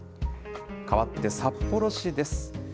かわって札幌市です。